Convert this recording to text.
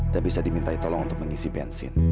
dan bisa dimintai tolong untuk mengisi bensin